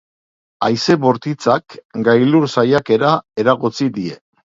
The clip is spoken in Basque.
Haize bortitzak gailur saiakera eragotzi die.